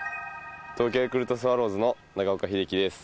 東京ヤクルトスワローズの長岡秀樹です。